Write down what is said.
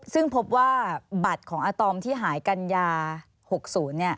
ซึ่งพบว่าบัตรของอาตอมที่หายกัญญา๖๐